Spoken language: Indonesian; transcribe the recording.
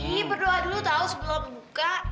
ihh berdoa dulu tau sebelum buka